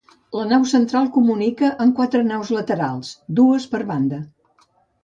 La nau central comunica amb quatre naus laterals, dues per banda.